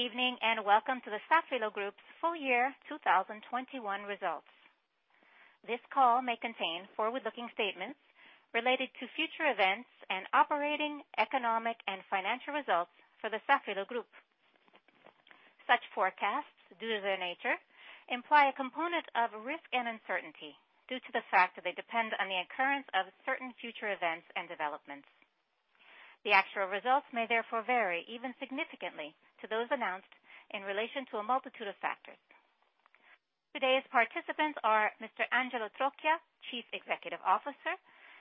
Good evening, and welcome to the Safilo Group's full year 2021 results. This call may contain forward-looking statements related to future events and operating economic and financial results for the Safilo Group. Such forecasts, due to their nature, imply a component of risk and uncertainty due to the fact that they depend on the occurrence of certain future events and developments. The actual results may therefore vary, even significantly, to those announced in relation to a multitude of factors. Today's participants are Mr. Angelo Trocchia, Chief Executive Officer,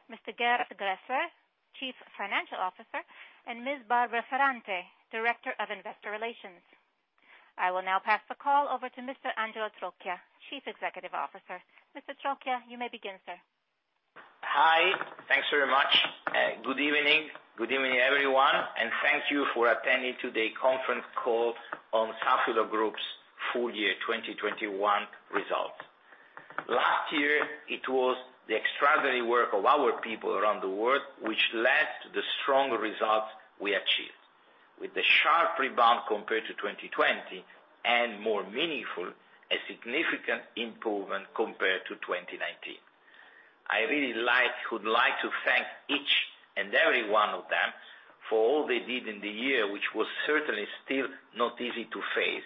Mr. Gerd Graehsler, Chief Financial Officer, and Ms. Barbara Ferrante, Director of Investor Relations. I will now pass the call over to Mr. Angelo Trocchia, Chief Executive Officer. Mr. Trocchia, you may begin, sir. Hi. Thanks very much. Good evening, everyone, and thank you for attending today's conference call on Safilo Group's full year 2021 results. Last year, it was the extraordinary work of our people around the world which led to the strong results we achieved. With the sharp rebound compared to 2020, and more meaningful, a significant improvement compared to 2019. I would like to thank each and every one of them for all they did in the year, which was certainly still not easy to face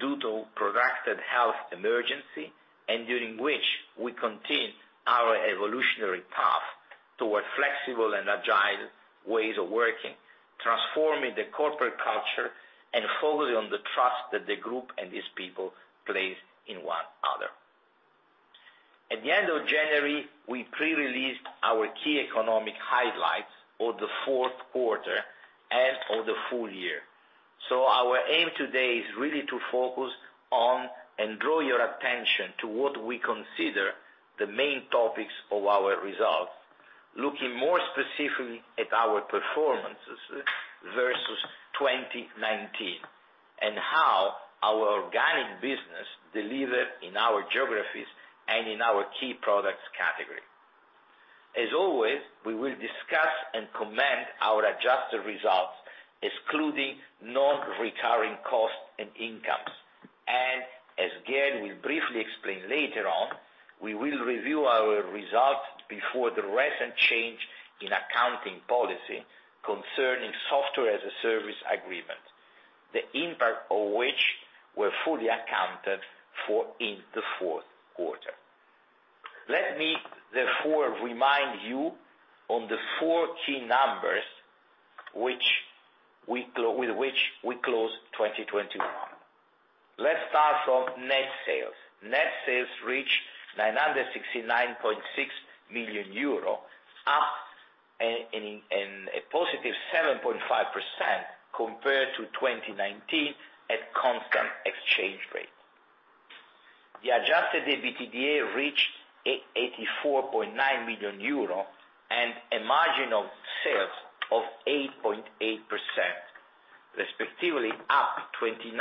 due to protracted health emergency, and during which we continued our evolutionary path toward flexible and agile ways of working, transforming the corporate culture and focusing on the trust that the group and its people place in one another. At the end of January, we pre-released our key economic highlights for the fourth quarter and for the full year. Our aim today is really to focus on and draw your attention to what we consider the main topics of our results, looking more specifically at our performances versus 2019, and how our organic business delivered in our geographies and in our key products category. As always, we will discuss and comment our adjusted results, excluding non-recurring costs and incomes. As Gerd will briefly explain later on, we will review our results before the recent change in accounting policy concerning software as a service agreement, the impact of which were fully accounted for in the fourth quarter. Let me therefore remind you on the four key numbers with which we closed 2021. Let's start from net sales. Net sales reached 969.6 million euro, up in a +7.5% compared to 2019 at constant exchange rate. The Adjusted EBITDA reached 84.9 million euro and a margin of sales of 8.8%, respectively up 29.7%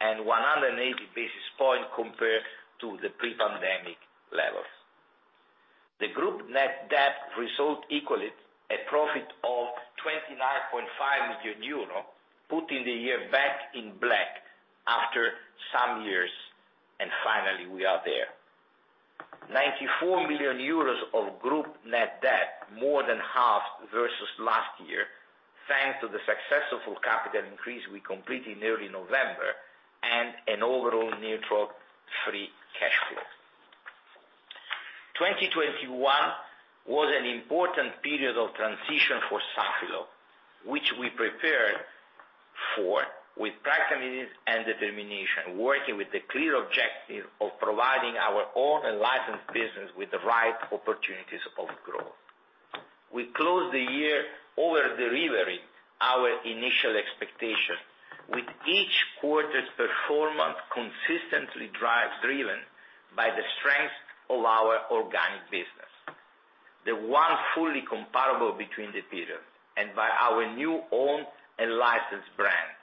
and 180 basis points compared to the pre-pandemic levels. The Group net debt result equaled a profit of 29.5 million euro, putting the year back in black after some years, and finally we are there. 94 million euros of Group net debt, more than half versus last year, thanks to the successful capital increase we completed in early November and an overall neutral free cash flow. 2021 was an important period of transition for Safilo, which we prepared for with pragmatism and determination, working with the clear objective of providing our own and licensed business with the right opportunities of growth. We closed the year over-delivering our initial expectation, with each quarter's performance consistently driven by the strength of our organic business, the one fully comparable between the periods, and by our new owned and licensed brands,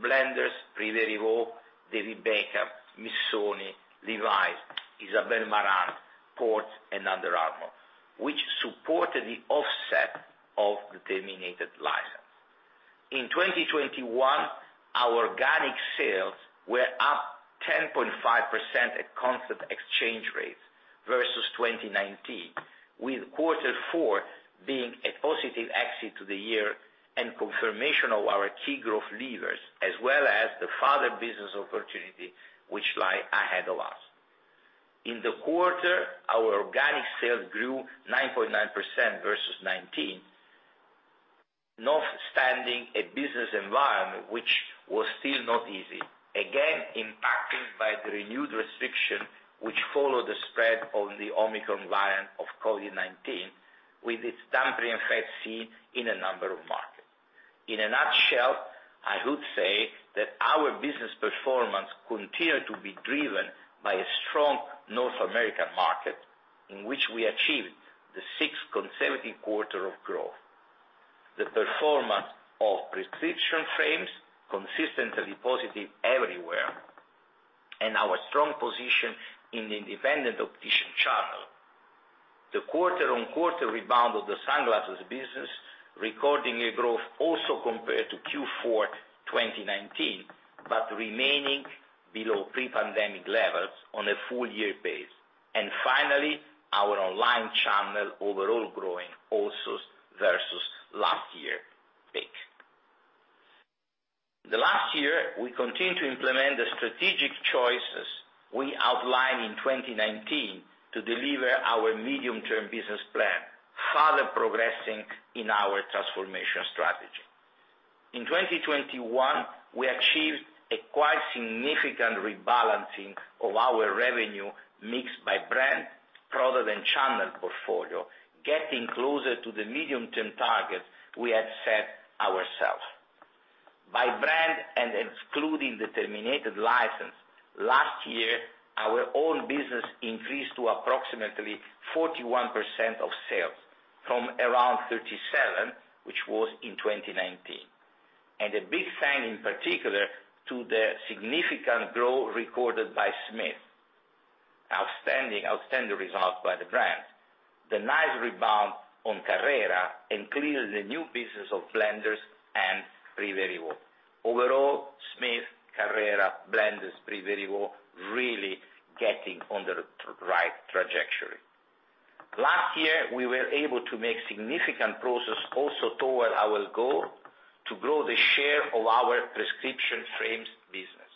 Blenders, Privé Revaux, David Beckham, Missoni, Levi's, Isabel Marant, Ports, and Under Armour, which supported the offset of the terminated license. In 2021, our organic sales were up 10.5% at constant exchange rates versus 2019, with quarter four being a positive exit to the year and confirmation of our key growth levers, as well as the further business opportunity which lie ahead of us. In the quarter, our organic sales grew 9.9% versus 2019, notwithstanding a business environment which was still not easy, again impacted by the renewed restriction which followed the spread of the Omicron variant of COVID-19, with its dampening effect seen in a number of markets. In a nutshell, I would say that our business performance continued to be driven by a strong North American market, in which we achieved the sixth consecutive quarter of growth. The performance of prescription frames consistently and our strong position in independent optician channel. The quarter-on-quarter rebound of the sunglasses business, recording a growth also compared to Q4 2019, but remaining below pre-pandemic levels on a full-year basis. Finally, our online channel overall growing also versus last year peak. Last year, we continued to implement the strategic choices we outlined in 2019 to deliver our medium-term business plan, further progressing in our transformation strategy. In 2021, we achieved a quite significant rebalancing of our revenue mix by brand, product, and channel portfolio, getting closer to the medium-term target we had set ourselves. By brand and excluding the terminated license, last year, our own business increased to approximately 41% of sales from around 37%, which was in 2019. A big thanks in particular to the significant growth recorded by Smith. Outstanding result by the brand. The nice rebound on Carrera, including the new business of Blenders and Privé Revaux. Overall, Smith, Carrera, Blenders, Privé Revaux, really getting on the right trajectory. Last year, we were able to make significant progress also toward our goal to grow the share of our prescription frames business.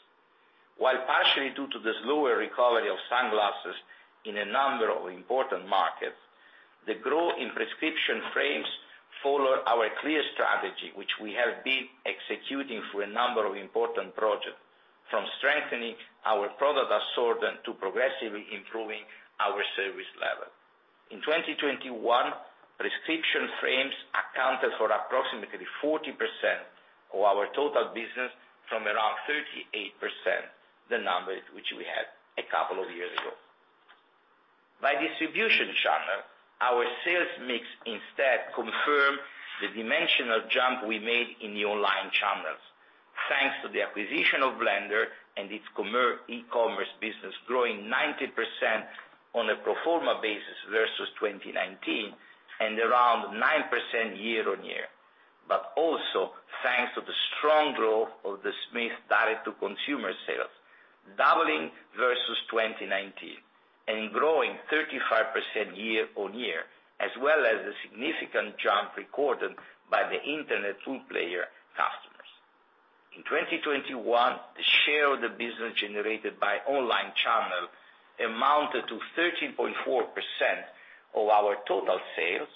While partially due to the slower recovery of sunglasses in a number of important markets, the growth in prescription frames follow our clear strategy, which we have been executing through a number of important projects, from strengthening our product assortment to progressively improving our service level. In 2021 prescription frames accounted for approximately 40% of our total business from around 38%, the number which we had a couple of years ago. By distribution channel, our sales mix instead confirm the dimensional jump we made in the online channels, thanks to the acquisition of Blenders and its e-commerce business growing 90% on a pro forma basis versus 2019, and around 9% year-on-year. Also thanks to the strong growth of the Smith D2C sales, doubling versus 2019 and growing 35% year-on-year, as well as the significant jump recorded by the internet pure-player customers. In 2021, the share of the business generated by online channel amounted to 13.4% of our total sales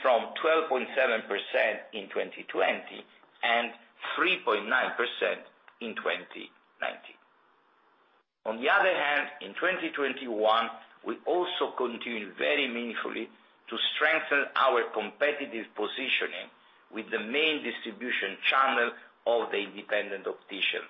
from 12.7% in 2020 and 3.9% in 2019. In 2021, we also continued very meaningfully to strengthen our competitive positioning with the main distribution channel of the independent optician,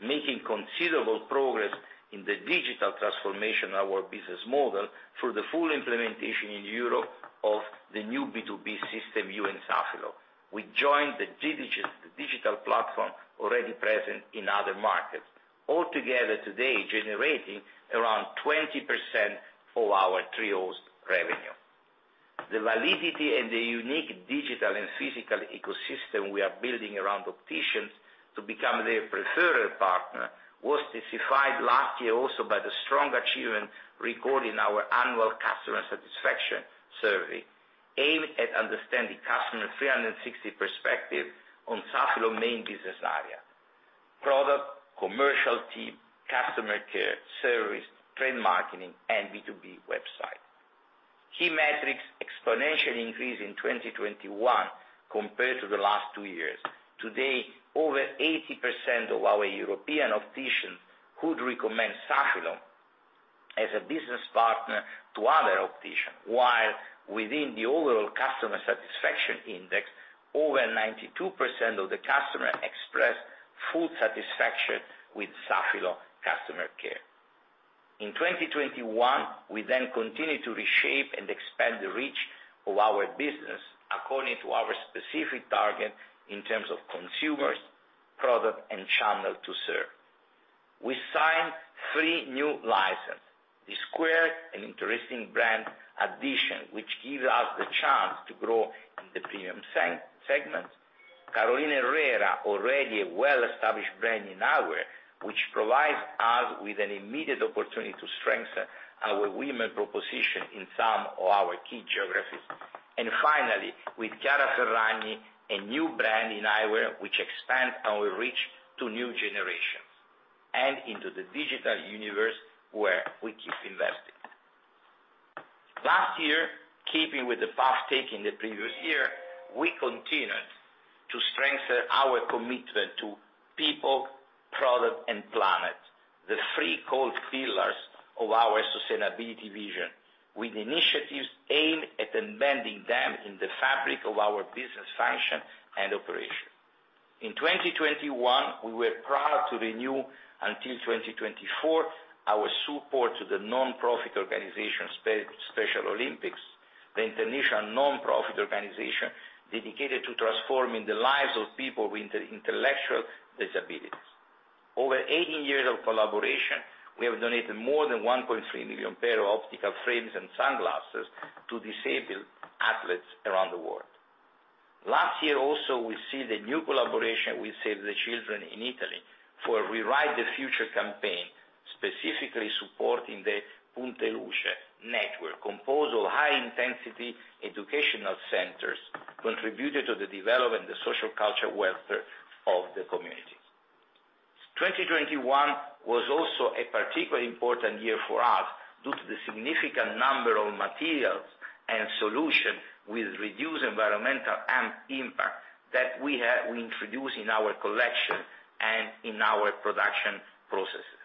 making considerable progress in the digital transformation of our business model through the full implementation in Europe of the new B2B system, You&Safilo. We joined the digital platform already present in other markets, altogether today generating around 20% of our trio's revenue. The validity and the unique digital and physical ecosystem we are building around opticians to become their preferred partner was testified last year also by the strong achievement recorded in our annual customer satisfaction survey, aimed at understanding customers' 360 perspective on Safilo's main business areas. Product, commercial team, customer care, service, brand marketing, and B2B website. Key metrics exponentially increased in 2021 compared to the last two years. Today, over 80% of our European opticians would recommend Safilo as a business partner to other opticians. While within the overall customer satisfaction index, over 92% of the customers expressed full satisfaction with Safilo's customer care. In 2021, we continued to reshape and expand the reach of our business according to our specific targets in terms of consumers, products, and channels to serve. We signed three new licenses, Dsquared2, an interesting brand addition, which gives us the chance to grow in the premium segment. Carolina Herrera, already a well-established brand in eyewear, which provides us with an immediate opportunity to strengthen our women's proposition in some of our key geographies. Finally, with Chiara Ferragni, a new brand in eyewear, which expands our reach to new generations and into the digital universe where we keep investing. Last year, keeping with the path taken the previous year, we continued to strengthen our commitment to people, product, and planet, the three core pillars of our sustainability vision, with initiatives aimed at embedding them in the fabric of our business function and operation. In 2021, we were proud to renew until 2024 our support to the nonprofit organization Special Olympics, the international nonprofit organization dedicated to transforming the lives of people with intellectual disabilities. Over 18 years of collaboration, we have donated more than 1.3 million pairs of optical frames and sunglasses to disabled athletes around the world. Last year, we saw the new collaboration with Save the Children in Italy for the Rewrite the Future campaign, specifically supporting the Punti Luce network, composed of high-intensity educational centers contributing to the development, the social and cultural welfare of the community. 2021 was also a particularly important year for us due to the significant number of materials and solutions with reduced environmental impact that we have introduced in our collections and in our production processes.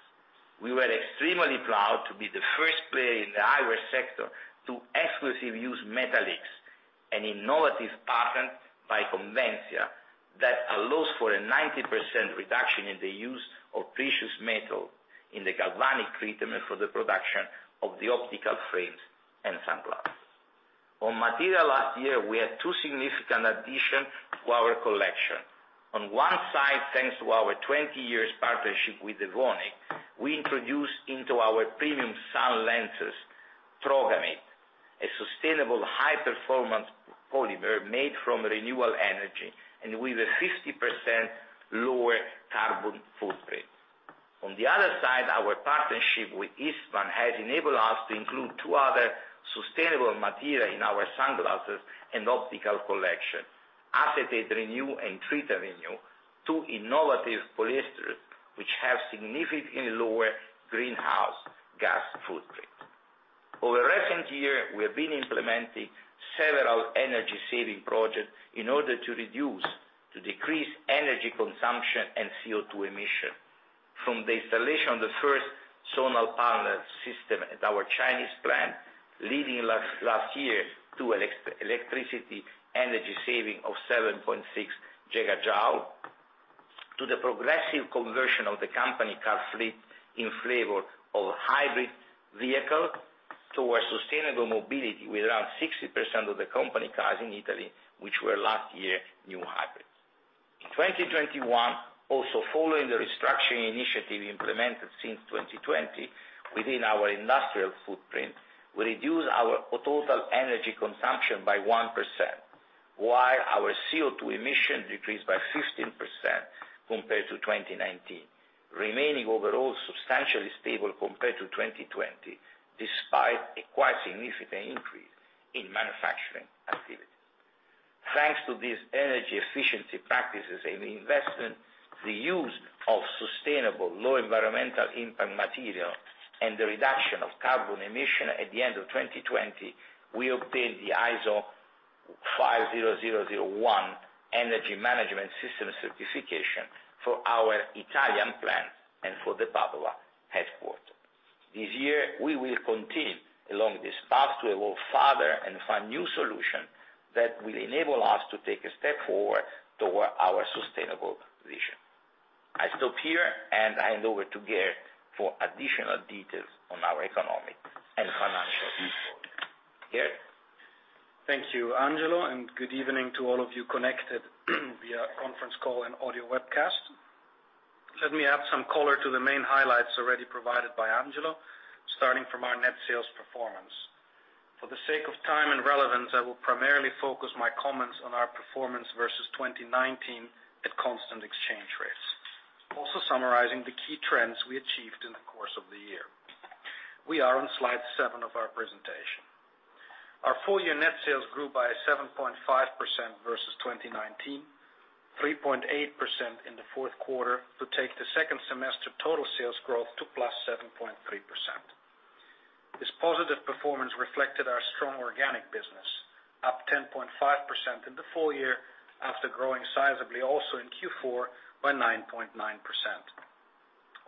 We were extremely proud to be the first player in the eyewear sector to exclusively use Metal X, an innovative patent by Coventya that allows for a 90% reduction in the use of precious metals in the galvanic treatment for the production of the optical frames and sunglasses. On materials last year, we had two significant additions to our collection. On one side, thanks to our 20-year partnership with Evonik, we introduced into our premium sun lenses TROGAMID, a sustainable high-performance polymer made from renewable energy, and with a 50% lower carbon footprint. On the other side, our partnership with Eastman has enabled us to include two other sustainable materials in our sunglasses and optical collection. Acetate Renew and Tritan Renew, two innovative polyesters which have significantly lower greenhouse gas footprint. Over recent years, we have been implementing several energy saving projects in order to reduce, to decrease energy consumption and CO₂ emissions. From the installation of the first solar panel system at our Chinese plant, leading last year to electricity energy saving of 7.6 GJ, to the progressive conversion of the company car fleet in favor of hybrid vehicle towards sustainable mobility with around 60% of the company cars in Italy, which were last year new hybrids. In 2021, also following the restructuring initiative implemented since 2020, within our industrial footprint, we reduced our total energy consumption by 1%, while our CO₂ emissions decreased by 15% compared to 2019, remaining overall substantially stable compared to 2020, despite a quite significant increase in manufacturing activity. Thanks to these energy efficiency practices and investment, the use of sustainable, low environmental impact material, and the reduction of carbon emissions at the end of 2020, we obtained the ISO 50001 Energy Management System Certification for our Italian plant and for the Padova headquarters. This year, we will continue along this path to evolve further and find new solutions that will enable us to take a step forward toward our sustainable vision. I stop here and hand over to Gerd for additional details on our economic and financial report. Gerd? Thank you, Angelo, and good evening to all of you connected via conference call and audio webcast. Let me add some color to the main highlights already provided by Angelo, starting from our net sales performance. For the sake of time and relevance, I will primarily focus my comments on our performance versus 2019 at constant exchange rates, also summarizing the key trends we achieved in the course of the year. We are on slide seven of our presentation. Our full year net sales grew by 7.5% versus 2019, 3.8% in the fourth quarter to take the second semester total sales growth to +7.3%. This positive performance reflected our strong organic business, up 10.5% in the full year after growing sizably also in Q4 by 9.9%.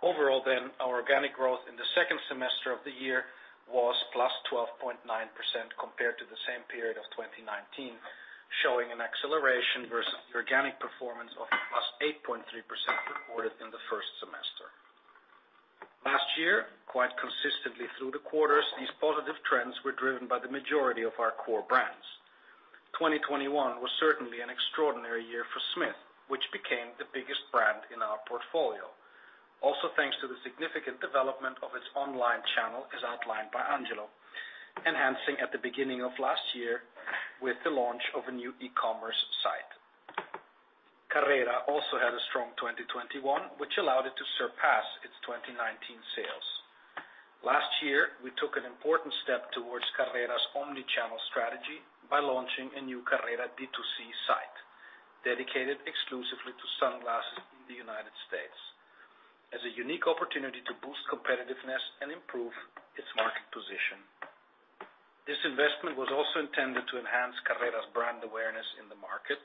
Overall, our organic growth in the second semester of the year was +12.9% compared to the same period of 2019, showing an acceleration versus organic performance of a +8.3% recorded in the first semester. Last year, quite consistently through the quarters, these positive trends were driven by the majority of our core brands. 2021 was certainly an extraordinary year for Smith, which became the biggest brand in our portfolio. Also, thanks to the significant development of its online channel, as outlined by Angelo, enhancing at the beginning of last year with the launch of a new e-commerce site. Carrera also had a strong 2021, which allowed it to surpass its 2019 sales. Last year, we took an important step towards Carrera's omni-channel strategy by launching a new Carrera D2C site dedicated exclusively to sunglasses in the United States as a unique opportunity to boost competitiveness and improve its market position. This investment was also intended to enhance Carrera's brand awareness in the market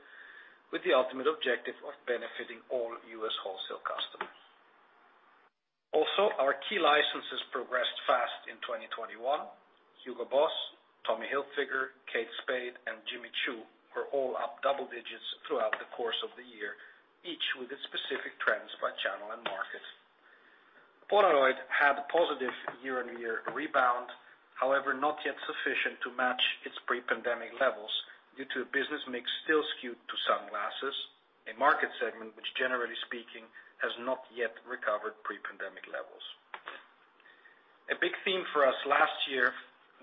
with the ultimate objective of benefiting all U.S. wholesale customers. Also, our key licenses progressed fast in 2021. Hugo Boss, Tommy Hilfiger, Kate Spade, and Jimmy Choo were all up double digits throughout the course of the year, each with its specific trends. Polaroid had a positive year-on-year rebound, however, not yet sufficient to match its pre-pandemic levels due to business mix still skewed to sunglasses, a market segment which generally speaking has not yet recovered pre-pandemic levels. A big theme for us last year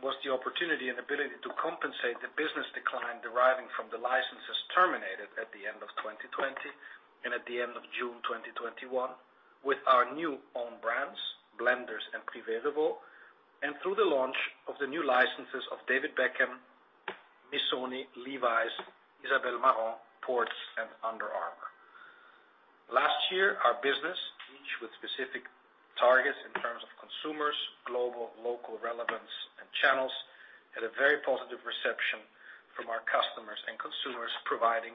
was the opportunity and ability to compensate the business decline deriving from the licenses terminated at the end of 2020 and at the end of June 2021 with our new own brands, Blenders and Privé Revaux, and through the launch of the new licenses of David Beckham, Missoni, Levi's, Isabel Marant, PORTS, and Under Armour. Last year, our business, each with specific targets in terms of consumers, global, local relevance, and channels, had a very positive reception from our customers and consumers, providing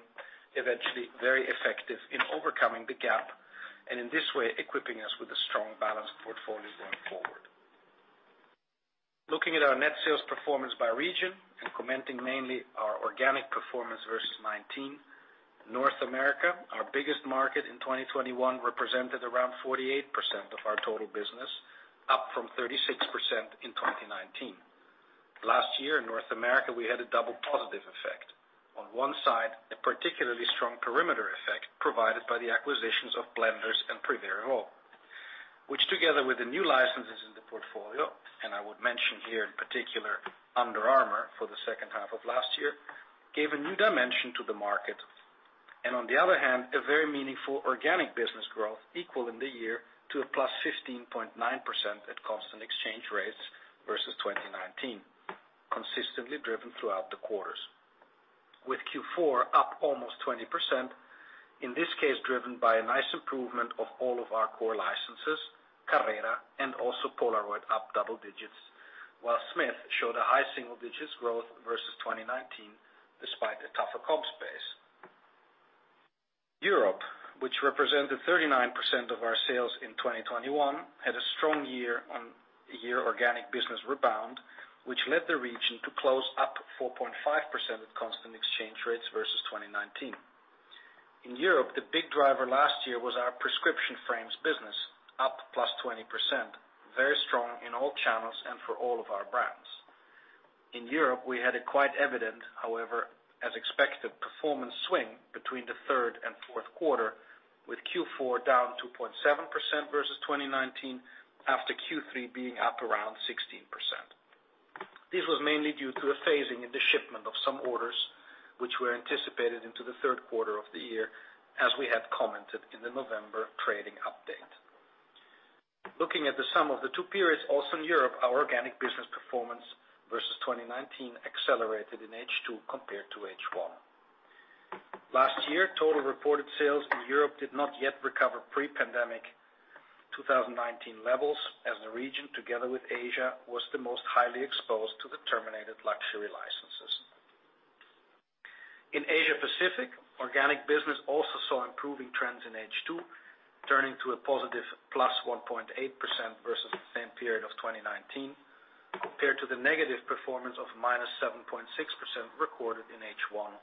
eventually very effective in overcoming the gap, and in this way, equipping us with a strong balanced portfolio going forward. Looking at our net sales performance by region and commenting mainly our organic performance versus 2019, North America, our biggest market in 2021, represented around 48% of our total business, up from 36% in 2019. Last year in North America, we had a double positive effect. On one side, a particularly strong perimeter effect provided by the acquisitions of Blenders and Privé Revaux, which together with the new licenses in the portfolio, and I would mention here in particular Under Armour for the second half of last year, gave a new dimension to the market. On the other hand, a very meaningful organic business growth equal in the year to +15.9% at constant exchange rates versus 2019, consistently driven throughout the quarters, with Q4 up almost 20%, in this case, driven by a nice improvement of all of our core licenses, Carrera and also Polaroid up double digits, while Smith showed a high-single digits growth versus 2019 despite a tougher comp space. Europe, which represented 39% of our sales in 2021, had a strong year-on-year organic business rebound, which led the region to close up 4.5% at constant exchange rates versus 2019. In Europe, the big driver last year was our prescription frames business up +20%, very strong in all channels and for all of our brands. In Europe, we had it quite evident. However, as expected, performance swung between the third and fourth quarter, with Q4 down 2.7% versus 2019 after Q3 being up around 16%. This was mainly due to a phasing in the shipment of some orders which were anticipated into the third quarter of the year, as we had commented in the November trading update. Looking at the sum of the two periods, also in Europe, our organic business performance versus 2019 accelerated in H2 compared to H1. Last year, total reported sales in Europe did not yet recover pre-pandemic 2019 levels as the region together with Asia was the most highly exposed to the terminated luxury licenses. In Asia Pacific, organic business also saw improving trends in H2, turning to a positive +1.8% versus the same period of 2019, compared to the negative performance of -7.6% recorded in H1.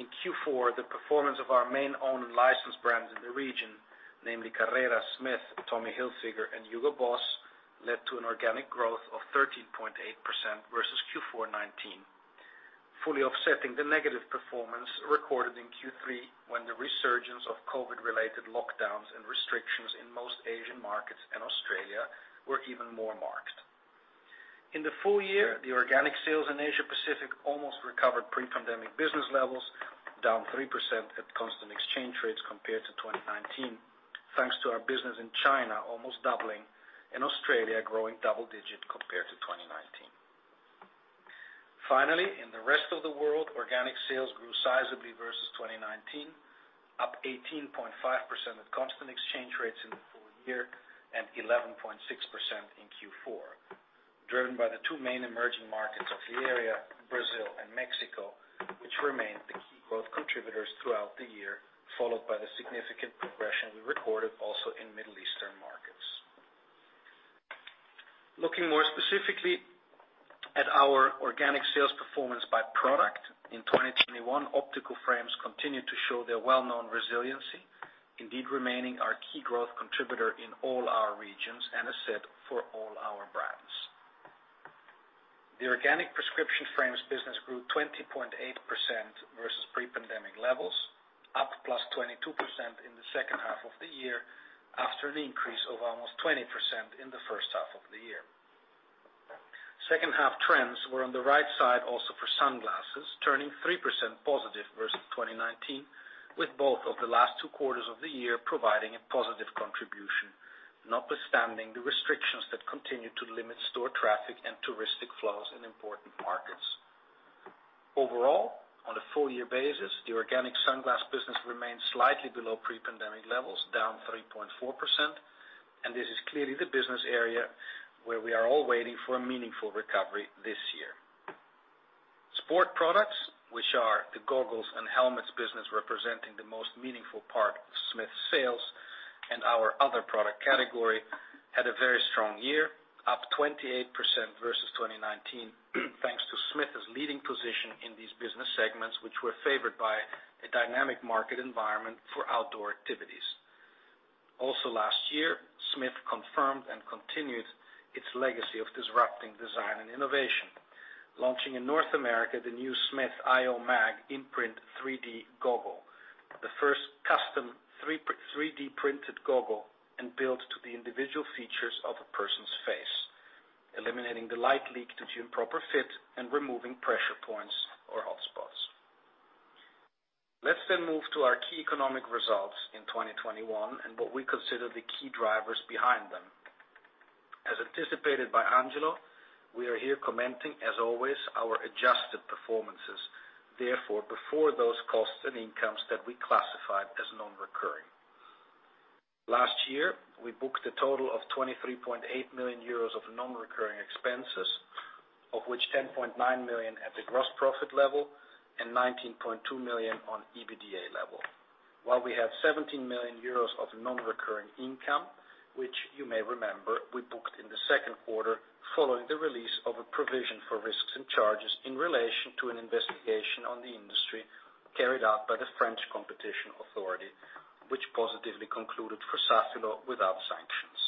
In Q4, the performance of our main owned and licensed brands in the region, namely Carrera, Smith, Tommy Hilfiger, and Hugo Boss, led to an organic growth of 13.8% versus Q4 2019, fully offsetting the negative performance recorded in Q3 when the resurgence of COVID-related lockdowns and restrictions in most Asian markets and Australia were even more marked. In the full year, the organic sales in Asia Pacific almost recovered pre-pandemic business levels down 3% at constant exchange rates compared to 2019, thanks to our business in China almost doubling, and Australia growing double digit compared to 2019. Finally, in the rest of the world, organic sales grew sizably versus 2019, up 18.5% at constant exchange rates in the full year and 11.6% in Q4, driven by the two main emerging markets of the area, Brazil and Mexico, which remained the key growth contributors throughout the year, followed by the significant progression we recorded also in Middle Eastern markets. Looking more specifically at our organic sales performance by product, in 2021, optical frames continued to show their well-known resiliency, indeed remaining our key growth contributor in all our regions and as said for all our brands. The organic prescription frames business grew 20.8% versus pre-pandemic levels, up plus 20% in the second half of the year after an increase of almost 20% in the first half of the year. Second half trends were on the right side also for sunglasses, turning 3% positive versus 2019, with both of the last two quarters of the year providing a positive contribution, notwithstanding the restrictions that continued to limit store traffic and touristic flows in important markets. Overall, on a full year basis, the organic sunglass business remains slightly below pre-pandemic levels, down 3.4%, and this is clearly the business area where we are all waiting for a meaningful recovery this year. Sport products, which are the goggles and helmets business representing the most meaningful part of Smith's sales and our other product category, had a very strong year, up 28% versus 2019, thanks to Smith's leading position in these business segments, which were favored by a dynamic market environment for outdoor activities. Last year, Smith confirmed and continued its legacy of disrupting design and innovation, launching in North America the new Smith I/O MAG Imprint 3D goggle. The first custom 3D printed goggle and built to the individual features of a person's face, eliminating the light leak due to improper fit and removing pressure points or hotspots. Let's move to our key economic results in 2021 and what we consider the key drivers behind them. As anticipated by Angelo, we are here commenting, as always, on our adjusted performances. Therefore, before those costs and incomes that we classified as non-recurring. Last year, we booked a total of 23.8 million euros of non-recurring expenses, of which 10.9 million at the gross profit level and 19.2 million on EBITDA level. While we have 17 million euros of non-recurring income, which you may remember, we booked in the second quarter following the release of a provision for risks and charges in relation to an investigation on the industry carried out by the Autorité de la Concurrence, which positively concluded for Safilo without sanctions.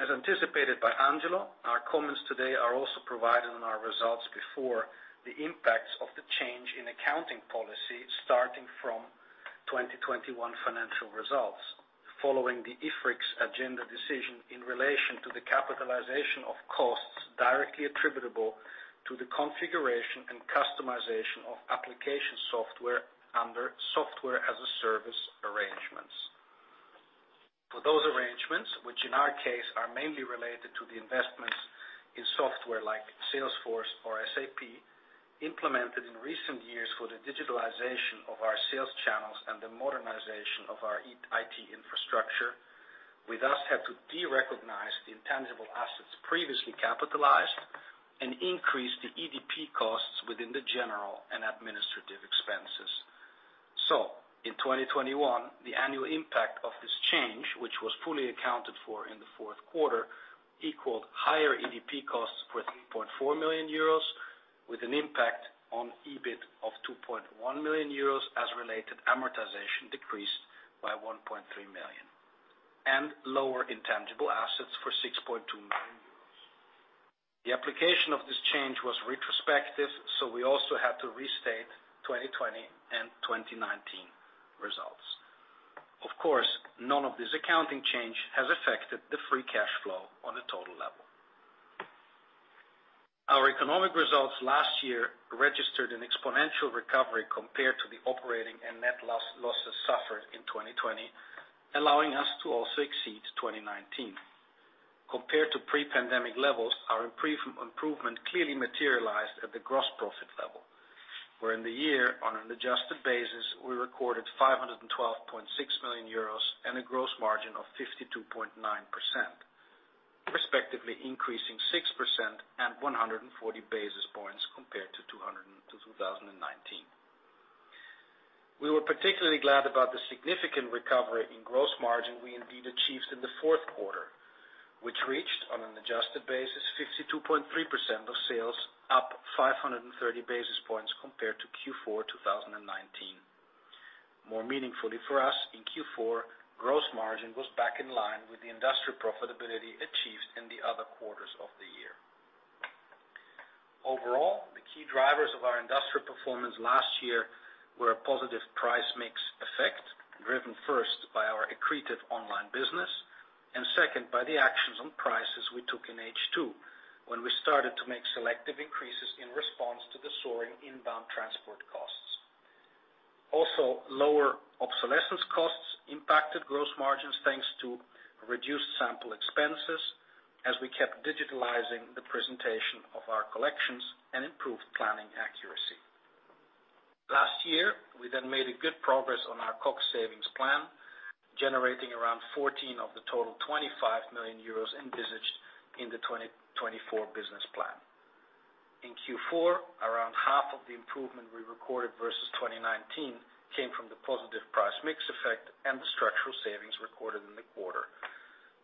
As anticipated by Angelo, our comments today are also provided on our results before the impacts of the change in accounting policy starting from 2021 financial results following the IFRIC agenda decision in relation to the capitalization of costs directly attributable to the configuration and customization of application software under software-as-a-service arrangements. For those arrangements, which in our case are mainly related to the investments in software like Salesforce or SAP, implemented in recent years for the digitalization of our sales channels and the modernization of our IT infrastructure, we thus had to derecognize the intangible assets previously capitalized and increase the EDP costs within the general and administrative expenses. In 2021, the annual impact of this change, which was fully accounted for in the fourth quarter, equaled higher EDP costs for 3.4 million euros, with an impact on EBIT of 2.1 million euros as related amortization decreased by 1.3 million, and lower intangible assets for 6.2 million euros. The application of this change was retrospective, so we also had to restate 2020 and 2019 results. Of course, none of this accounting change has affected the free cash flow on a total level. Our economic results last year registered an exponential recovery compared to the operating and net losses suffered in 2020, allowing us to also exceed 2019. Compared to pre-pandemic levels, our improvement clearly materialized at the gross profit level, where in the year on an adjusted basis, we recorded 512.6 million euros and a gross margin of 52.9%, respectively increasing 6% and 140 basis points compared to 2019. We were particularly glad about the significant recovery in gross margin we indeed achieved in the fourth quarter, which reached on an Adjusted basis 52.3% of sales, up 530 basis points compared to Q4 2019. More meaningfully for us, in Q4, gross margin was back in line with the industrial profitability achieved in the other quarters of the year. Overall, the key drivers of our industrial performance last year were a positive price mix effect, driven first by our accreted online business, and second, by the actions on prices we took in H2, when we started to make selective increases in response to the soaring inbound transport costs. Also, lower obsolescence costs impacted gross margins, thanks to reduced sample expenses, as we kept digitalizing the presentation of our collections and improved planning accuracy. Last year, we then made a good progress on our COGS savings plan, generating around 14 million of the total 25 million euros envisaged in the 2024 business plan. In Q4, around half of the improvement we recorded versus 2019 came from the positive price mix effect and the structural savings recorded in the quarter.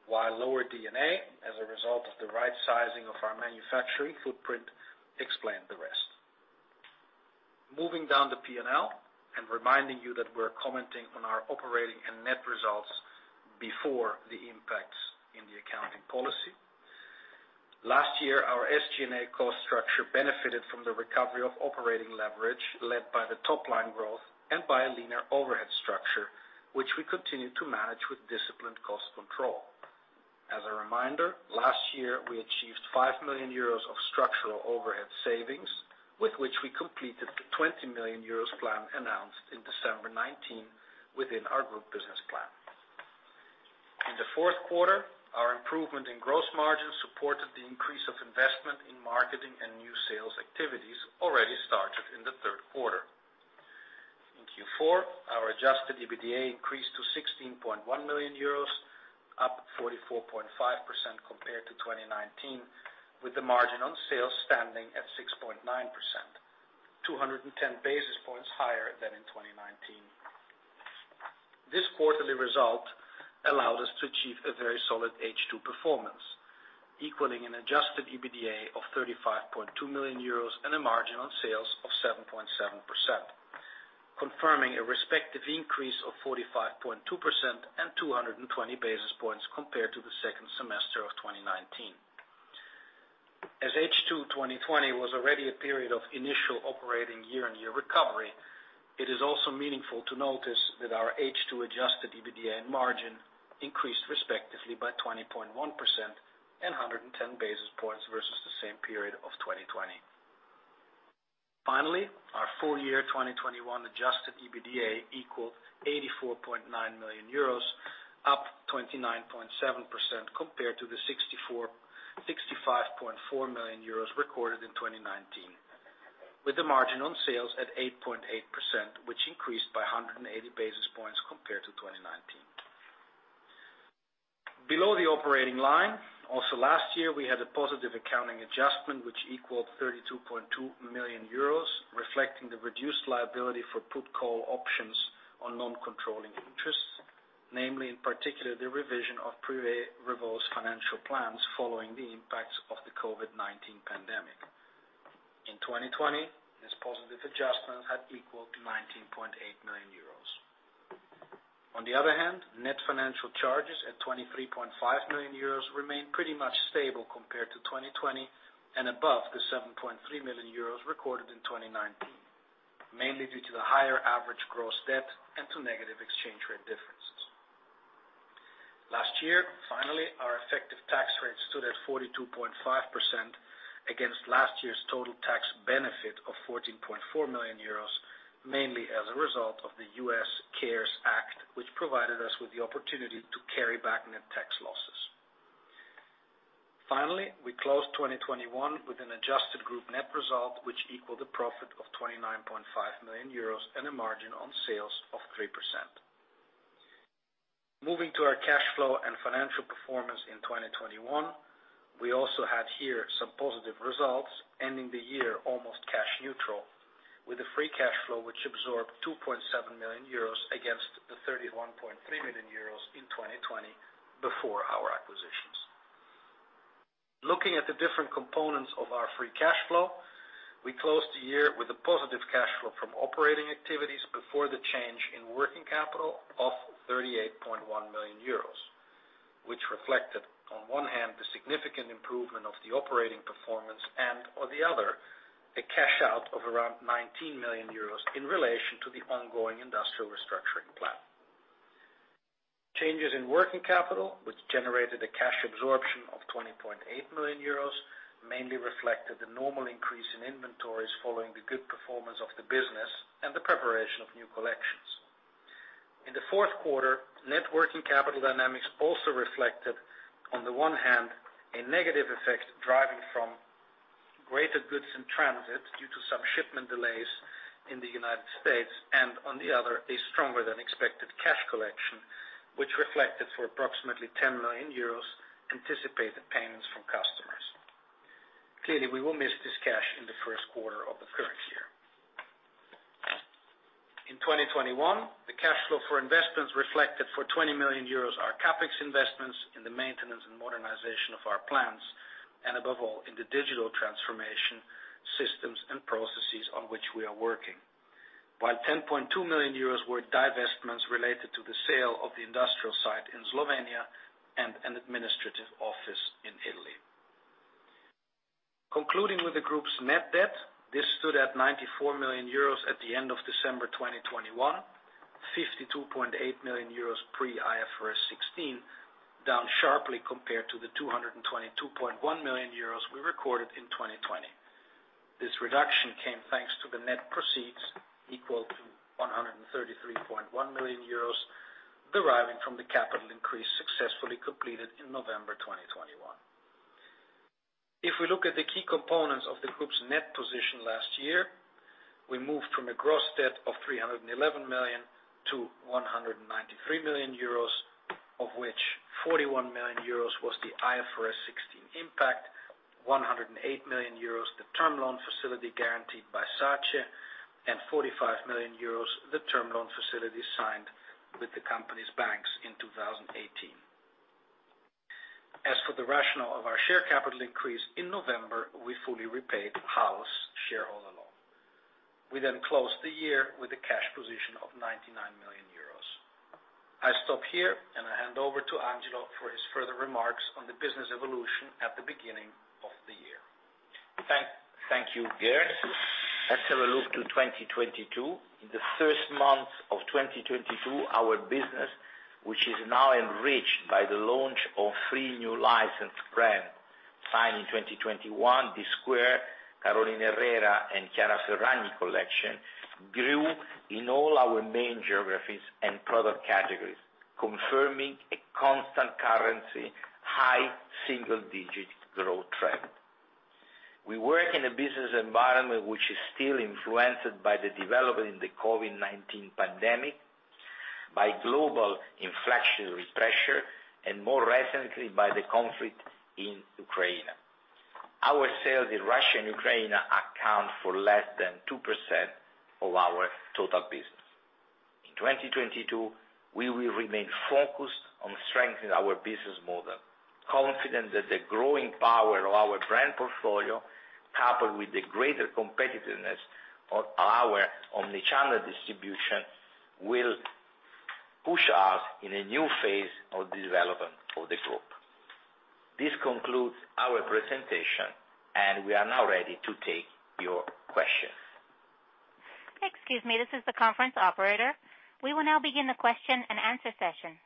Lower D&A, as a result of the right sizing of our manufacturing footprint, explained the rest. Moving down to P&L and reminding you that we're commenting on our operating and net results before the impacts in the accounting policy. Last year, our SG&A cost structure benefited from the recovery of operating leverage, led by the top line growth and by a leaner overhead structure, which we continued to manage with disciplined cost control. As a reminder, last year, we achieved 5 million euros of structural overhead savings, with which we completed the 20 million euros plan announced in December 2019 within our group business plan. In the fourth quarter, our improvement in gross margin supported the increase of investment in marketing and new sales activities already started in the third quarter. In Q4, our Adjusted EBITDA increased to 16.1 million euros, up 44.5% compared to 2019, with the margin on sales standing at 6.9%, 210 basis points higher than in 2019. This quarterly result allowed us to achieve a very solid H2 performance, equaling an Adjusted EBITDA of 35.2 million euros and a margin on sales of 7.7%, confirming a respective increase of 45.2% and 220 basis points compared to the second semester of 2019. As H2 2020 was already a period of initial operating year-over-year recovery, it is also meaningful to notice that our H2 Adjusted EBITDA and margin increased respectively by 20.1% and 110 basis points versus the same period of 2020. Finally, our full year 2021 Adjusted EBITDA equaled 84.9 million euros, up 29.7% compared to the 65.4 million euros recorded in 2019, with a margin on sales at 8.8%, which increased by 180 basis points compared to 2019. Below the operating line, also last year, we had a positive accounting adjustment which equaled 32.2 million euros, reflecting the reduced liability for put call options on non-controlling interests, namely, in particular, the revision of Privé Revaux's financial plans following the impacts of the COVID-19 pandemic. In 2020, this positive adjustment had equaled to 19.8 million euros. On the other hand, net financial charges at 23.5 million euros remain pretty much stable compared to 2020 and above the 7.3 million euros recorded in 2019, mainly due to the higher average gross debt and to negative exchange rate differences. Last year, finally, our effective tax rate stood at 42.5% against last year's total tax benefit of 14.4 million euros, mainly as a result of the CARES Act, which provided us with the opportunity to carry back net tax losses. Finally, we closed 2021 with an adjusted group net result, which equaled a profit of 29.5 million euros and a margin on sales of 3%. Moving to our cash flow and financial performance in 2021, we also had here some positive results, ending the year almost cash neutral, with a free cash flow which absorbed 2.7 million euros against the 31.3 million euros in 2020 before our acquisitions. Looking at the different components of our free cash flow, we closed the year with a positive cash flow from operating activities before the change in working capital of 38.1 million euros, which reflected on one hand, the significant improvement of the operating performance and, on the other, a cash out of around 19 million euros in relation to the ongoing industrial restructuring plan. Changes in working capital, which generated a cash absorption of 20.8 million euros, mainly reflected the normal increase in inventories following the good performance of the business and the preparation of new collections. In the fourth quarter, net working capital dynamics also reflected, on the one hand, a negative effect deriving from greater goods in transit due to some shipment delays in the United States and, on the other, a stronger than expected cash collection, which reflected for approximately 10 million euros, anticipated payments from customers. Clearly, we will miss this cash in the first quarter of the current year. In 2021, the cash flow for investments reflected for 20 million euros our CapEx investments in the maintenance and modernization of our plants, and above all, in the digital transformation systems and processes on which we are working. While 10.2 million euros were divestments related to the sale of the industrial site in Slovenia and an administrative office in Italy. Concluding with the group's net debt, this stood at 94 million euros at the end of December 2021, 52.8 million euros pre-IFRS 16, down sharply compared to the 222.1 million euros we recorded in 2020. This reduction came thanks to the net proceeds equal to 133.1 million euros, deriving from the capital increase successfully completed in November 2021. If we look at the key components of the group's net position last year, we moved from a gross debt of 311 million to 193 million euros, of which 41 million euros was the IFRS 16 impact, 108 million euros the term loan facility guaranteed by SACE, and 45 million euros, the term loan facility signed with the company's banks in 2018. As for the rationale of our share capital increase in November, we fully repaid HAL shareholder loan. We then closed the year with a cash position of 99 million euros. I stop here, and I hand over to Angelo for his further remarks on the business evolution at the beginning of the year. Thank you, Gerd. Let's have a look to 2022. In the first month of 2022, our business, which is now enriched by the launch of three new licensed brand signed in 2021, Dsquared2, Carolina Herrera, and Chiara Ferragni Collection, grew in all our main geographies and product categories, confirming a constant currency high double digit growth trend. We work in a business environment which is still influenced by the development in the COVID-19 pandemic, by global inflationary pressure, and more recently, by the conflict in Ukraine. Our sales in Russia and Ukraine account for less than 2% of our total business. In 2022, we will remain focused on strengthening our business model, confident that the growing power of our brand portfolio, coupled with the greater competitiveness of our omni-channel distribution, will push us in a new phase of development for the group. This concludes our presentation, and we are now ready to take your questions. Excuse me, this is the conference operator. We will now begin the question and answer session.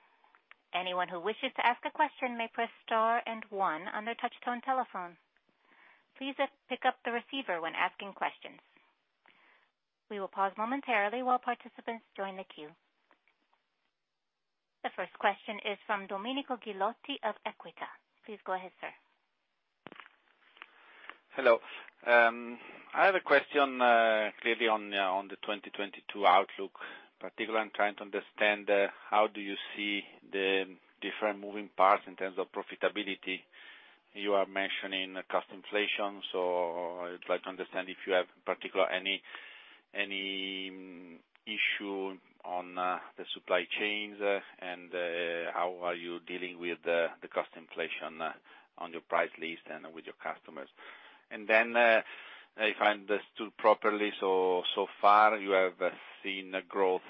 Anyone who wishes to ask a question may press star and one on their touch-tone telephone. Please, pick up the receiver when asking questions. We will pause momentarily while participants join the queue. The first question is from Domenico Ghilotti of Equita. Please go ahead, sir. Hello. I have a question, clearly on the 2022 outlook. Particularly, I'm trying to understand how do you see the different moving parts in terms of profitability? You are mentioning cost inflation, so I'd like to understand if you have any issue on the supply chains, and how are you dealing with the cost inflation on your price list and with your customers. If I understood properly, so far you have seen a growth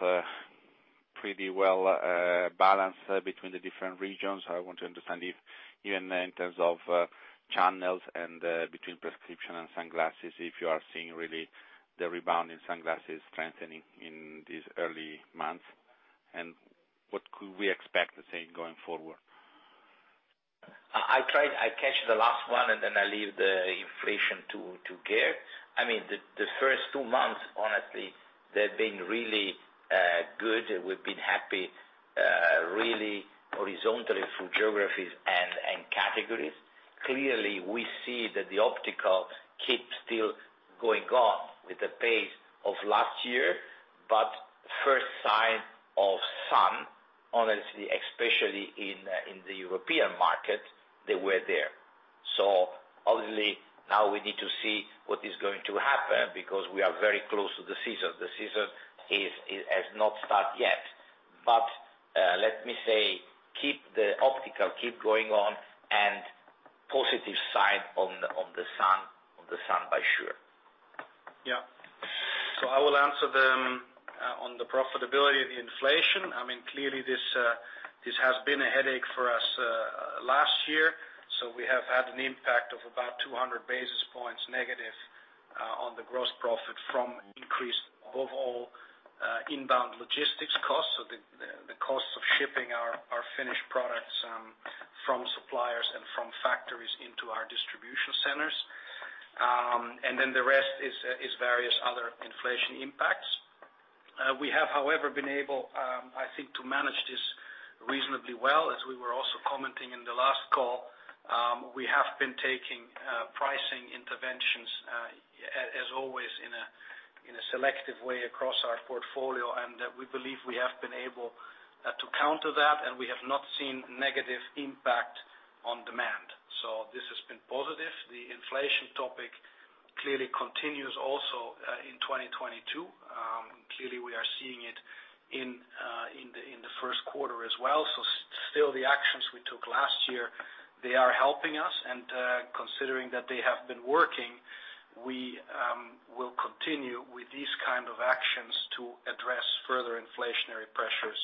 pretty well balanced between the different regions. I want to understand if even in terms of channels and between prescription and sunglasses, if you are seeing really the rebound in sunglasses strengthening in these early months, and what could we expect to see going forward? I tried to catch the last one, and then I leave the inflation to Gerd. I mean the first two months, honestly, they've been really good. We've been happy, really horizontally through geographies and categories. Clearly, we see that the optical keeps still going on with the pace of last year, but first sign of sun, honestly, especially in the European market, they were there. So obviously now we need to see what is going to happen because we are very close to the season. The season has not start yet. Let me say, keep the optical going on and positive sign on the sun, but sure. Yeah. I will answer them on the profitability and the inflation. I mean, clearly this has been a headache for us last year, so we have had an impact of about 200 basis points negative on the gross profit from increase above all inbound logistics costs. The cost of shipping our finished products from suppliers and from factories into our distribution centers. And then the rest is various other inflation impacts. We have, however, been able, I think to manage this reasonably well. As we were also commenting in the last call, we have been taking pricing interventions as always in a selective way across our portfolio. We believe we have been able to counter that, and we have not seen negative impact on demand. This has been positive. The inflation topic clearly continues also in 2022. Clearly, we are seeing it in the first quarter as well. Still the actions we took last year, they are helping us. Considering that they have been working, we will continue with these kind of actions to address further inflationary pressures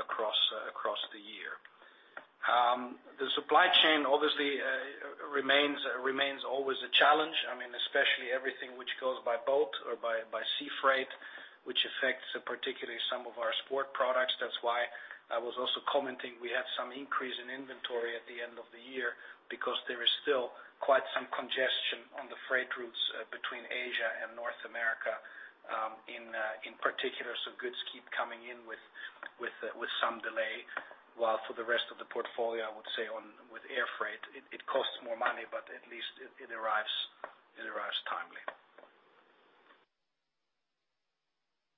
across the year. The supply chain obviously remains always a challenge. I mean, especially everything which goes by boat or by sea freight, which affects particularly some of our sports products. That's why I was also commenting we had some increase in inventory at the end of the year because there is still quite some congestion on the freight routes between Asia and North America in particular. Goods keep coming in with some delay, while for the rest of the portfolio, I would say on with air freight, it costs more money, but at least it arrives timely.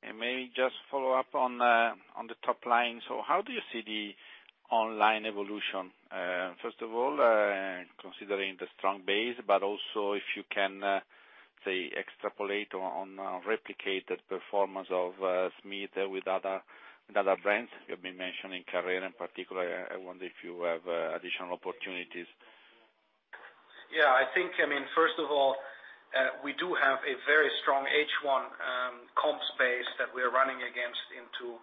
May I just follow up on the top line. How do you see the online evolution? First of all, considering the strong base, but also if you can say extrapolate on replicated performance of Smith with other brands. You've been mentioning Carrera in particular. I wonder if you have additional opportunities. I think, I mean, first of all, we do have a very strong H1 comps base that we're running against into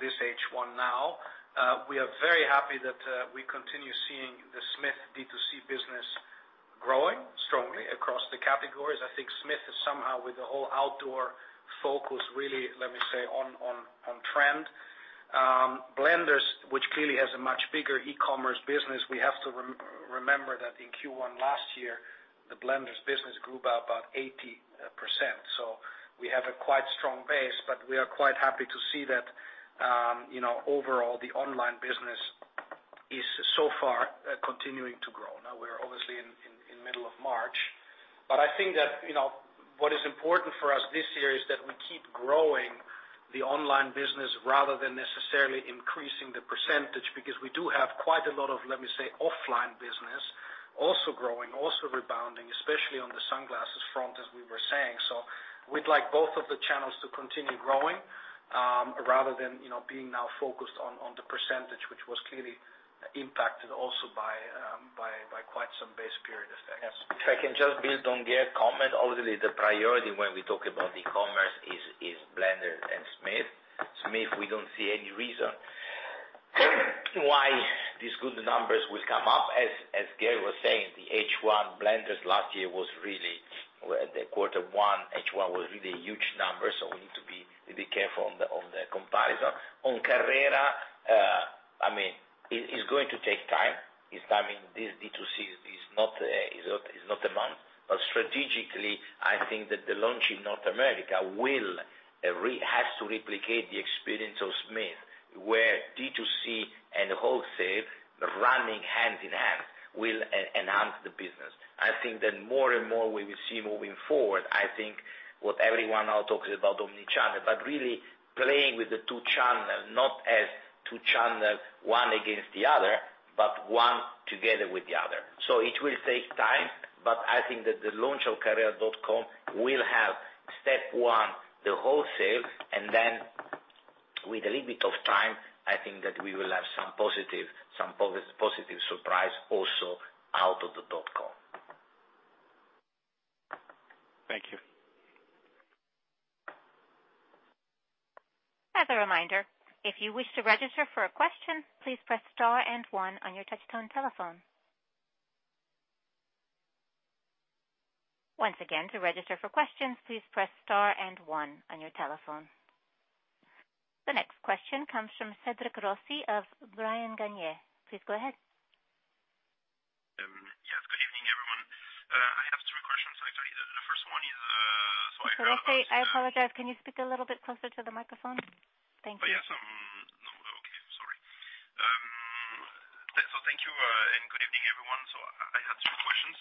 this H1 now. We are very happy that we continue seeing the Smith D2C business growing strongly across the categories. I think Smith is somehow with the whole outdoor focus, really, let me say, on trend. Blenders, which clearly has a much bigger e-commerce business, we have to remember that in Q1 last year, the Blenders business grew by about 80%. We have a quite strong base, but we are quite happy to see that, you know, overall, the online business is so far continuing to grow. Now, we're obviously in as of March. I think that, you know, what is important for us this year is that we keep growing the online business rather than necessarily increasing the percentage, because we do have quite a lot of, let me say, offline business also growing, also rebounding, especially on the sunglasses front, as we were saying. We'd like both of the channels to continue growing, rather than, you know, being now focused on the percentage, which was clearly impacted also by quite some base period effects. If I can just build on the comment. Obviously, the priority when we talk about e-commerce is Blenders and Smith. Smith, we don't see any reason why these good numbers will come up. As Gerd was saying, the H1 Blenders last year was really the quarter one, H1 was really huge numbers, so we need to be careful on the comparison. On Carrera, I mean, it is going to take time. It's timing, this D2C is not a month. Strategically, I think that the launch in North America has to replicate the experience of Smith, where D2C and wholesale running hand in hand will enhance the business. I think that more and more we will see moving forward, I think what everyone now talks about omni-channel, but really playing with the two channels, not as two channels, one against the other, but one together with the other. It will take time, but I think that the launch of Carrera will have, step one, the wholesale, and then with a little bit of time, I think that we will have some positive surprise also out of the dot com. Thank you. The next question comes from Cédric Rossi of Bryan Garnier. Please go ahead. Yes, good evening, everyone. I have two questions. The first one is. Cédric, I apologize. Can you speak a little bit closer to the microphone? Thank you. Thank you and good evening, everyone. I have two questions.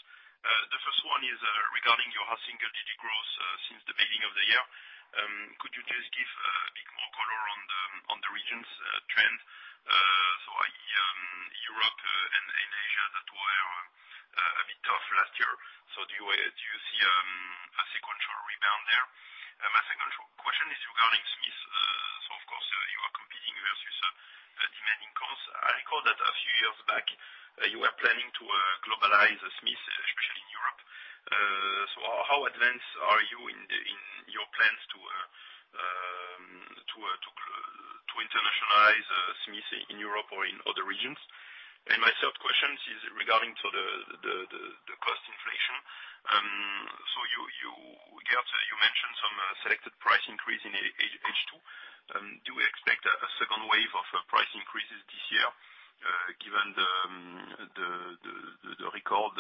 The first one is regarding your high-single digit growth since the beginning of the year. Could you just give a bit more color on the regional trends in Europe and Asia that were a bit tough last year? Do you see a sequential rebound there? My second question is regarding Smith. Of course, you are competing versus demanding comps. I recall that a few years back you were planning to globalize Smith, especially in Europe. How advanced are you in your plans to internationalize Smith in Europe or in other regions? My third question is regarding the cost inflation. So you, Gerd, mentioned some selected price increase in H2. Do we expect a second wave of price increases this year, given the record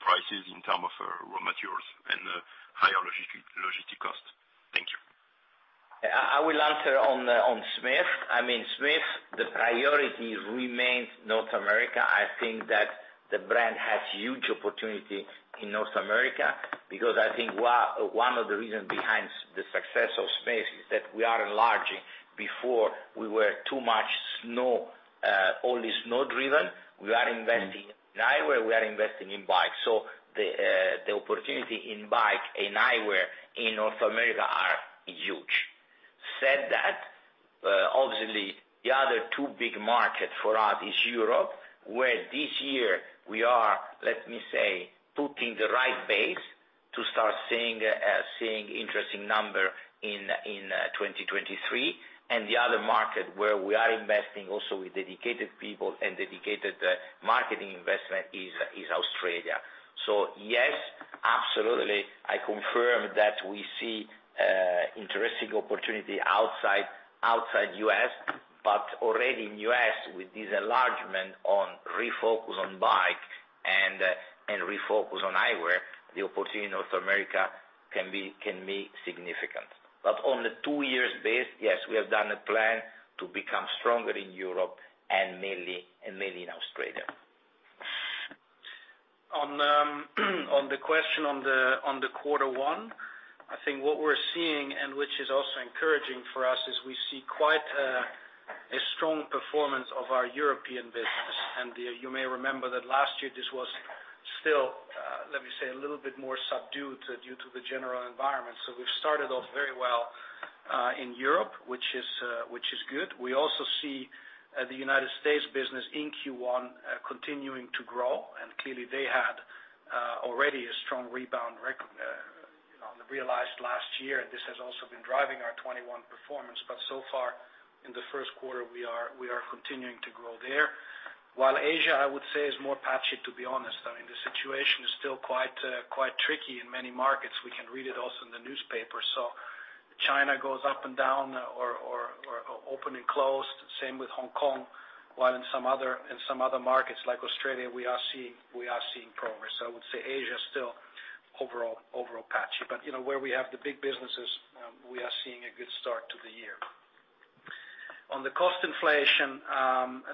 prices in terms of raw materials and higher logistics cost? Thank you. I will answer on Smith. I mean, Smith, the priority remains North America. I think that the brand has huge opportunity in North America because I think one of the reasons behind the success of Smith is that we are enlarging. Before we were too much snow, only snow-driven. We are investing in eyewear, we are investing in bike. So the opportunity in bike and eyewear in North America are huge. That said, obviously, the other two big markets for us are Europe, where this year we are, let me say, putting the right base to start seeing interesting numbers in 2023. The other market where we are investing also with dedicated people and dedicated marketing investment is Australia. So yes, absolutely. I confirm that we see interesting opportunity outside U.S., but already in U.S., with this enlargement on refocus on bike and refocus on eyewear, the opportunity in North America can be significant. On the two years base, yes, we have done a plan to become stronger in Europe and mainly in Australia. On the question on the quarter one, I think what we're seeing, which is also encouraging for us, is we see quite a strong performance of our European business. You may remember that last year this was still, let me say, a little bit more subdued due to the general environment. We've started off very well in Europe, which is good. We also see the United States business in Q1 continuing to grow, and clearly they had already a strong rebound, you know, realized last year, and this has also been driving our 2021 performance. So far in the first quarter, we are continuing to grow there. While Asia, I would say, is more patchy, to be honest. I mean, the situation is still quite tricky in many markets. We can read it also in the newspaper. China goes up and down or open and closed, same with Hong Kong, while in some other markets like Australia, we are seeing progress. I would say Asia is still overall patchy. You know, where we have the big businesses, we are seeing a good start to the year. On the cost inflation,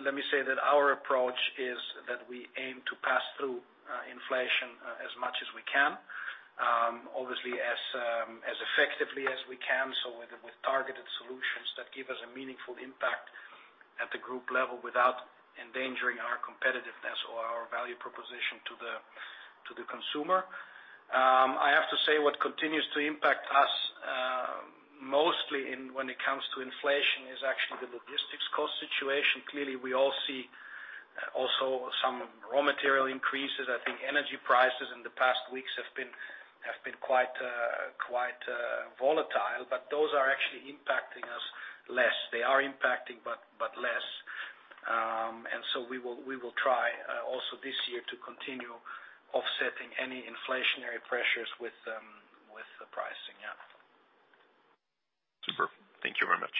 let me say that our approach is that we aim to pass through inflation as much as we can, obviously as effectively as we can. With targeted solutions that give us a meaningful impact at the group level without endangering our competitiveness or our value proposition to the consumer. I have to say what continues to impact us mostly in when it comes to inflation is actually the logistics cost situation. Clearly, we all see also some raw material increases. I think energy prices in the past weeks have been quite volatile, but those are actually impacting us less. They are impacting, but less. We will try also this year to continue offsetting any inflationary pressures with the pricing. Yeah. Super. Thank you very much.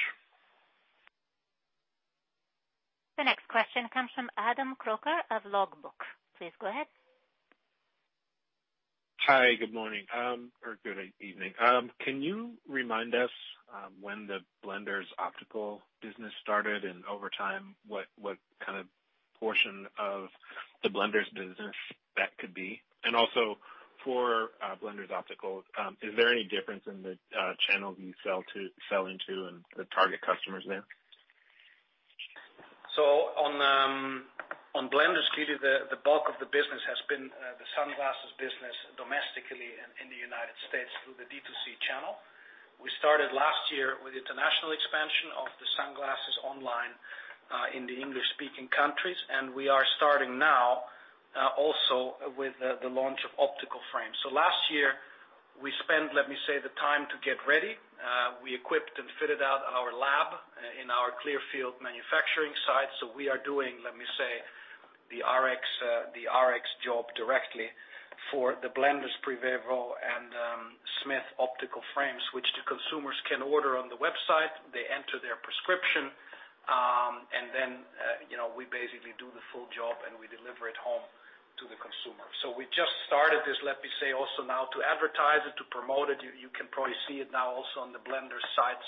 The next question comes from Adam Crocker of Logbook. Please go ahead. Hi, good morning or good evening. Can you remind us when the Blenders Optical business started, and over time, what kind of portion of the Blenders business that could be? Also for Blenders Optical, is there any difference in the channels you sell into and the target customers there? On Blenders, clearly the bulk of the business has been the sunglasses business domestically in the United States through the D2C channel. We started last year with international expansion of the sunglasses online in the English-speaking countries, and we are starting now also with the launch of optical frames. Last year we spent, let me say, the time to get ready. We equipped and fitted out our lab in our Clearfield manufacturing site. We are doing, let me say, the RX job directly for the Blenders, Privé Revaux and Smith optical frames, which the consumers can order on the website. They enter their prescription, and then, you know, we basically do the full job, and we deliver it home to the consumer. We just started this, let me say also now to advertise it, to promote it. You can probably see it now also on the Blenders site.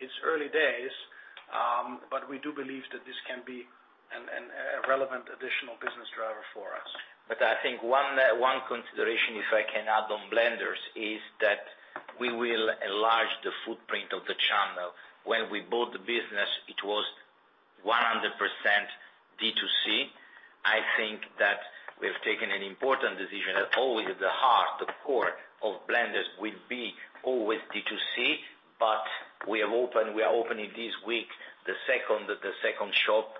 It's early days, but we do believe that this can be a relevant additional business driver for us. I think one consideration, if I can add on Blenders, is that we will enlarge the footprint of the channel. When we bought the business, it was 100% D2C. I think that we have taken an important decision that always the heart, the core of Blenders will be always D2C, but we have opened. We are opening this week, the second shop.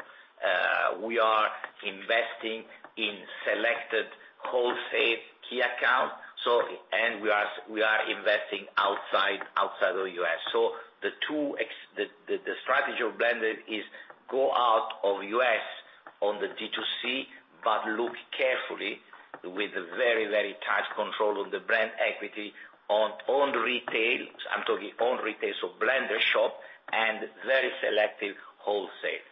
We are investing in selected wholesale key account. We are investing outside of U.S. The strategy of Blenders is go out of U.S. on the D2C, but look carefully with very tight control on the brand equity on own retail. I'm talking own retail, so Blenders shop and very selective wholesale.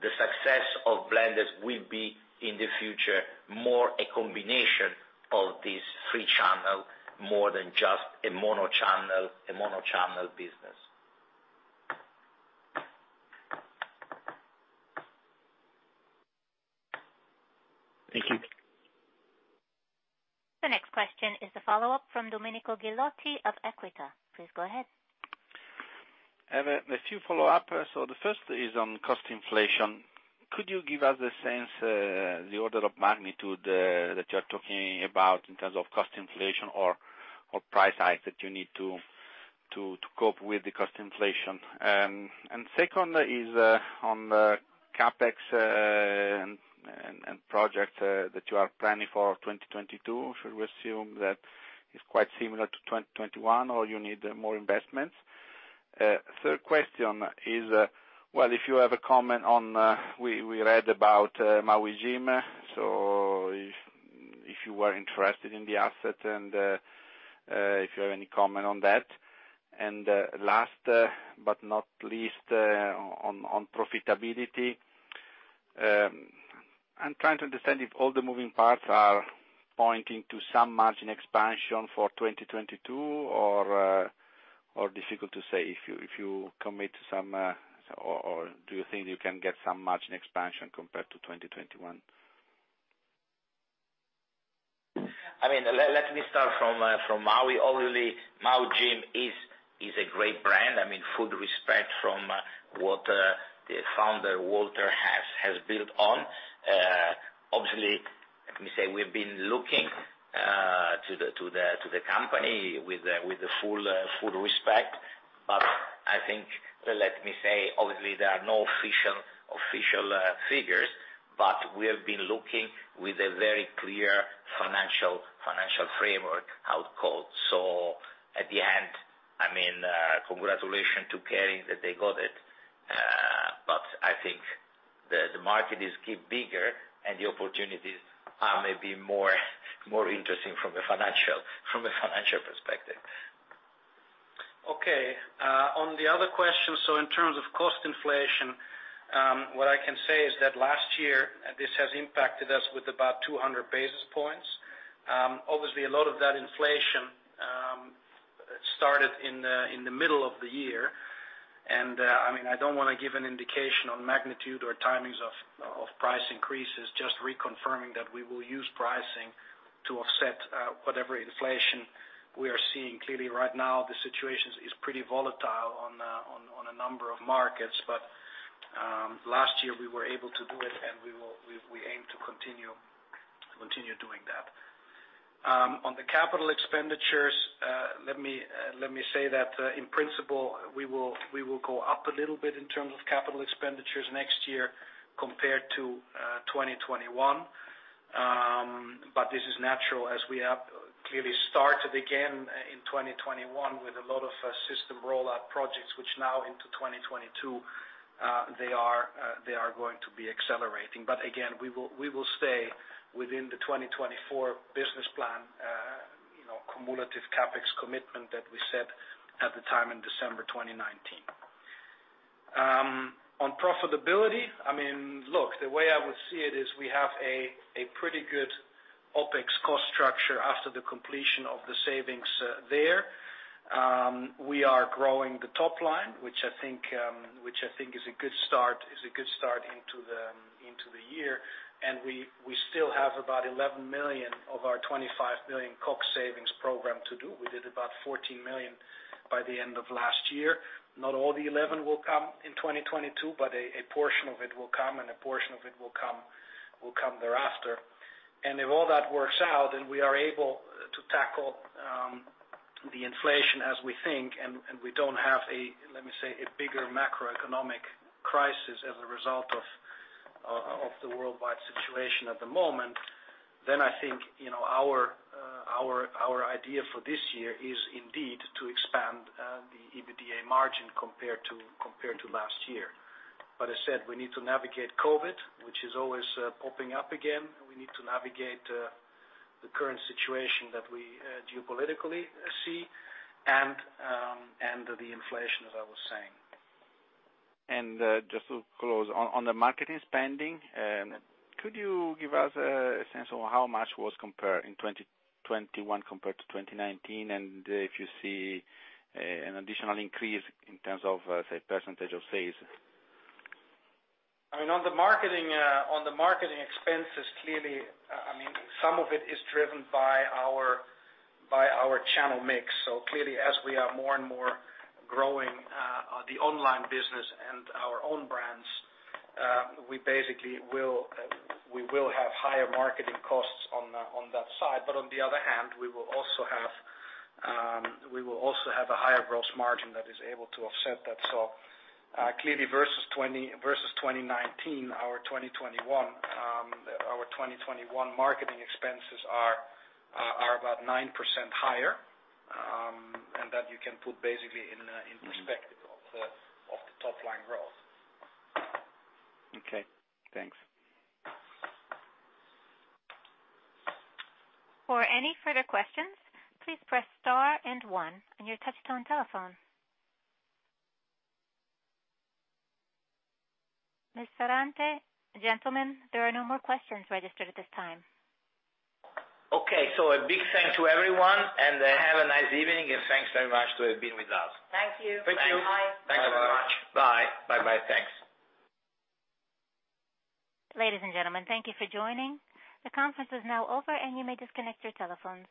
The success of Blenders will be, in the future, more a combination of these three channel, more than just a mono channel, a mono channel business. Thank you. The next question is a follow-up from Domenico Ghilotti of Equita. Please go ahead. I have a few follow-up. The first is on cost inflation. Could you give us a sense of the order of magnitude that you're talking about in terms of cost inflation or price hike that you need to cope with the cost inflation? Second is on the CapEx and project that you are planning for 2022. Should we assume that it's quite similar to 2021, or you need more investments? Third question is, well, if you have a comment on what we read about Maui Jim. If you are interested in the asset and if you have any comment on that. Last but not least, on profitability. I'm trying to understand if all the moving parts are pointing to some margin expansion for 2022 or is it difficult to say if you commit to some, or do you think you can get some margin expansion compared to 2021? I mean, let me start from Maui. Obviously, Maui Jim is a great brand. I mean, full respect for what the founder, Walter Hester, has built on. Obviously, let me say we've been looking to the company with the full respect. I think, let me say, obviously there are no official figures, but we have been looking with a very clear financial framework out cold. At the end, I mean, congratulations to Kering that they got it. I think the market is getting bigger and the opportunities are maybe more interesting from a financial perspective. Okay. On the other question, in terms of cost inflation, what I can say is that last year, this has impacted us with about 200 basis points. Obviously, a lot of that inflation started in the middle of the year. I mean, I don't wanna give an indication on magnitude or timings of price increases, just reconfirming that we will use pricing to offset whatever inflation we are seeing. Clearly right now, the situation is pretty volatile on a number of markets. Last year we were able to do it, and we will aim to continue doing that. On the Capital Expenditures, let me say that in principle, we will go up a little bit in terms of Capital Expenditures next year compared to 2021. This is natural as we have clearly started again in 2021 with a lot of system rollout projects, which now into 2022 they are going to be accelerating. Again, we will stay within the 2024 business plan, you know, cumulative CapEx commitment that we set at the time in December 2019. On profitability, I mean, look, the way I would see it is we have a pretty good OpEx cost structure after the completion of the savings there. We are growing the top line, which I think is a good start into the year. We still have about 11 million of our 25 million COGS savings program to do. We did about 14 million by the end of last year. Not all the 11 million will come in 2022, but a portion of it will come, and a portion of it will come thereafter. If all that works out, and we are able to tackle the inflation as we think, and we don't have a, let me say, a bigger macroeconomic crisis as a result of the worldwide situation at the moment, then I think, you know, our idea for this year is indeed to expand the EBITDA margin compared to last year. As said, we need to navigate COVID, which is always popping up again, and we need to navigate the current situation that we geopolitically see and the inflation, as I was saying. Just to close. On the marketing spending, could you give us a sense on how much was compared in 2021 compared to 2019? If you see an additional increase in terms of, say, percentage of sales. I mean, on the marketing expenses, clearly, I mean, some of it is driven by our channel mix. Clearly, as we are more and more growing the online business and our own brands, we basically will have higher marketing costs on that side. On the other hand, we will also have a higher gross margin that is able to offset that. Clearly versus 2019, our 2021 marketing expenses are about 9% higher. That you can put basically in perspective of the top line growth. Okay, thanks. For any further questions, please press star and one on your touch-tone telephone. Ms. Ferrante, gentlemen, there are no more questions registered at this time. Okay, so a big thanks to everyone, and, have a nice evening and thanks very much to have been with us. Thank you. Thank you. Bye. Thanks very much. Bye. Bye-bye. Thanks. Ladies and gentlemen, thank you for joining. The conference is now over, and you may disconnect your telephones.